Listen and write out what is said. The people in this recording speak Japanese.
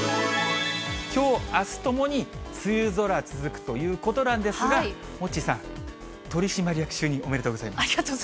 きょうあすともに梅雨空続くということなんですが、モッチーさん、ありがとうございます。